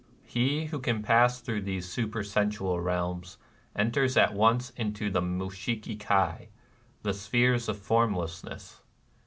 He who can pass through these supersen sual realms enters at once into the Mushihi Kai^ — the spheres of Formlessness.